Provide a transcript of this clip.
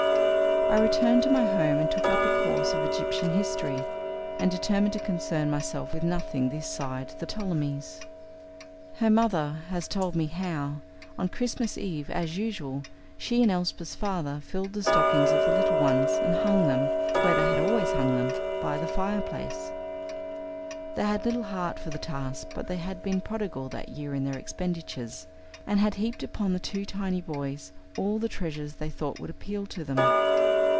I returned to my home and took up a course of Egyptian history, and determined to concern myself with nothing this side the Ptolemies. Her mother has told me how, on Christmas eve, as usual, she and Elsbeth's father filled the stockings of the little ones, and hung them, where they had always hung, by the fireplace. They had little heart for the task, but they had been prodigal that year in their expenditures, and had heaped upon the two tiny boys all the treasures they thought would appeal to them.